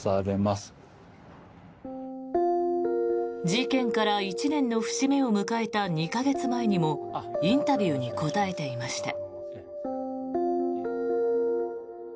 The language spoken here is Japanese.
事件から１年の節目を迎えた２か月前にもインタビューに答えていました。